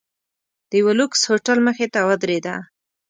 د یوه لوکس هوټل مخې ته ودریده.